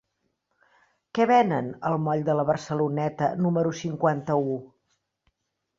Què venen al moll de la Barceloneta número cinquanta-u?